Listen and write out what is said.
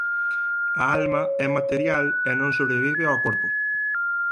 A alma é material e non sobrevive ao corpo.